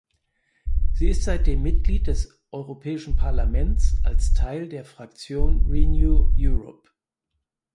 Sie ist seitdem Mitglied des Europäischen Parlaments als Teil der Fraktion Renew Europe.